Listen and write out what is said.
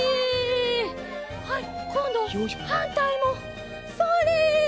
はいこんどははんたいもそれ！